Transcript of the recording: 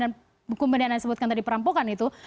dan hukum beneran yang disebutkan tadi perampokan itu